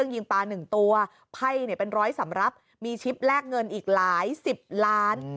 ยิงปลา๑ตัวไพ่เป็นร้อยสำรับมีชิปแลกเงินอีกหลายสิบล้าน